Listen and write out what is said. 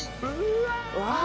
うわ！